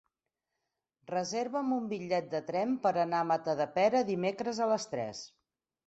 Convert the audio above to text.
Reserva'm un bitllet de tren per anar a Matadepera dimecres a les tres.